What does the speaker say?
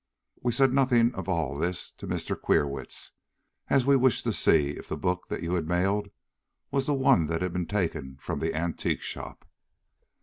"We said nothing of all this to Mr. Queerwitz, as we wished to see if the book that you had mailed was the one that had been taken from the antique shop.